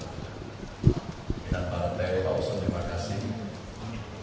pimpinan parateri langsung terima kasih